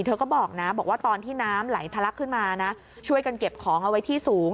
เธอก็บอกนะบอกว่าตอนที่น้ำไหลทะลักขึ้นมานะช่วยกันเก็บของเอาไว้ที่สูง